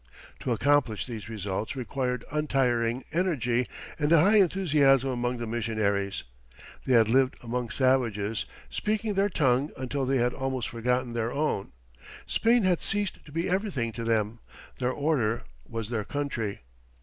To accomplish these results required untiring energy and a high enthusiasm among the missionaries. They had lived among savages, speaking their tongue, until they had almost forgotten their own. Spain had ceased to be everything to them; their order was their country.